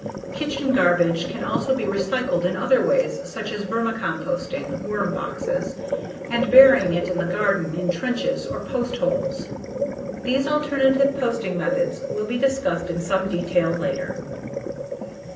Kitchen garbage can also be recycled in other ways such as vermicomposting (worm boxes) and burying it in the garden in trenches or post holes. These alternative composting methods will be discussed in some detail later.